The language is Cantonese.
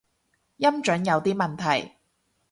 音準有啲問題